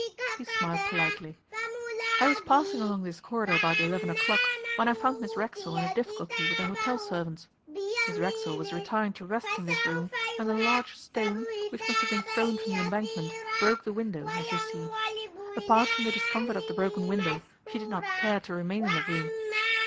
He smiled politely. 'I was passing along this corridor about eleven o'clock, when I found Miss Racksole in a difficulty with the hotel servants. Miss Racksole was retiring to rest in this room when a large stone, which must have been thrown from the Embankment, broke the window, as you see. Apart from the discomfort of the broken window, she did not care to remain in the room.